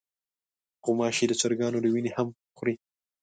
غوماشې د چرګانو له وینې هم خوري.